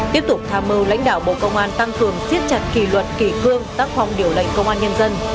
tiếp tục tham mưu lãnh đạo bộ công an tăng cường siết chặt kỳ luật kỳ cương tác phong điều lệnh công an nhân dân